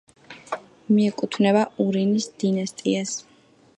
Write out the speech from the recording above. მიეკუთვნება ურინის დინასტიას.